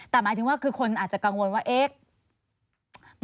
แต่หมายถึงว่าคือคนอาจจะกังวลว่าเอ๊ะ